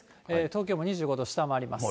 東京も２５度下回ります。